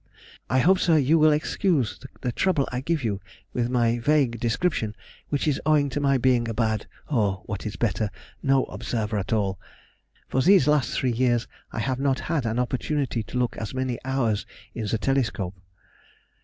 I hope, sir, you will excuse the trouble I give you with my wag [qy. vague] description, which is owing to my being a bad (or what is better) no observer at all. For these last three years I have not had an opportunity to look as many hours in the telescope.